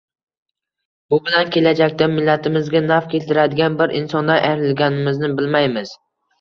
Bu bilan kelajakda millatimizga naf keltiradigan bir insondan ayrilganimizni bilmaymiz.